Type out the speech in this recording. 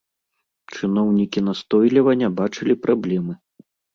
Чыноўнікі настойліва не бачылі праблемы.